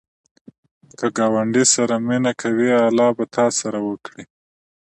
که ګاونډي سره مینه کوې، الله به تا سره وکړي